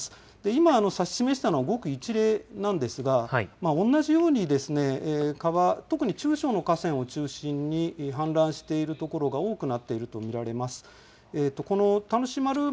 今、指し示したのはごく一例なんですが、同じように川、特に中小の河川を中心に氾濫している所が多くなっていると見られます。